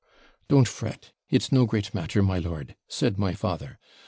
'Don't fret, it's no great matter, my lord,' said my father.